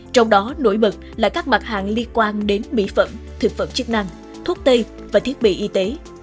trong đó nổi bật là các mặt hàng liên quan đến mỹ phẩm thực phẩm chức năng thuốc tây và thiết bị y tế